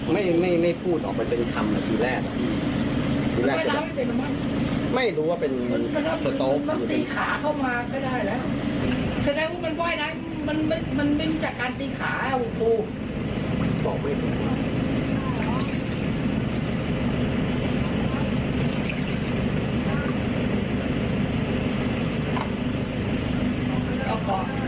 มันมันมันมันมิ้นจากการตีขาอ่ะอุ้ยคุณครับ